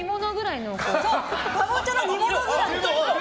カボチャの煮物くらい！